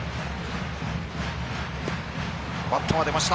バットが出ました。